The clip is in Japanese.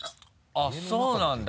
あっそうなんだ。